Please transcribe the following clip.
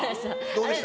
どうでした？